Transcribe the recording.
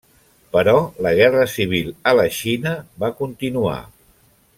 Però la guerra civil a la Xina va continuar.